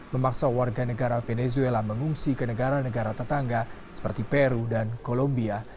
memaksa warga negara venezuela mengungsi ke negara negara tetangga seperti peru dan columbia